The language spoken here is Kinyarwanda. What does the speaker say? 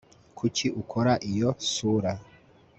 kuki ukora iyo sura